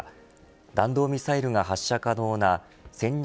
弾道ミサイルが発射可能な戦略